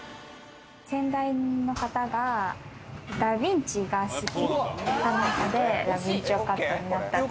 先代の方が『ダ・ヴィンチ』が好きかなんかで駄敏丁カットになったと。